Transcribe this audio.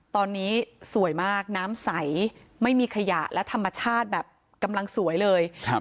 ตอนนี้สวยมากน้ำใสไม่มีขยะและธรรมชาติแบบกำลังสวยเลยครับ